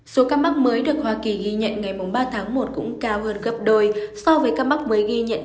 số ca mắc mới được hoa kỳ ghi nhận ngày ba tháng một cũng cao hơn gấp đôi so với các mắc mới ghi nhận